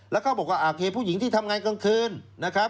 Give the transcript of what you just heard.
แล้วก็บอกว่าโอเคผู้หญิงที่ทำงานกลางคืนนะครับ